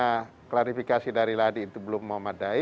karena klarifikasi dari ladi itu belum memadai